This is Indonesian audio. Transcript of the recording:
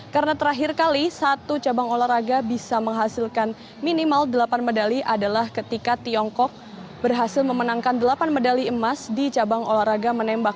karena terakhir kali satu cabang olahraga bisa menghasilkan minimal delapan medali adalah ketika tiongkok berhasil memenangkan delapan medali emas di cabang olahraga menembak